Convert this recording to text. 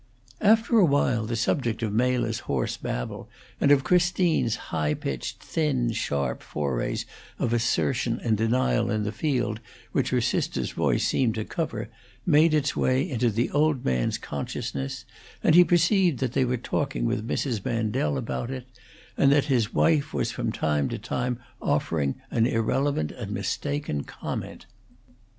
After a while the subject of Mela's hoarse babble and of Christine's high pitched, thin, sharp forays of assertion and denial in the field which her sister's voice seemed to cover, made its way into the old man's consciousness, and he perceived that they were talking with Mrs. Mandel about it, and that his wife was from time to time offering an irrelevant and mistaken comment.